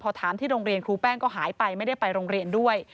พอถามที่โรงเรียนครูแป้งก็หายไปไม่ได้ไปโรงเรียนด้วย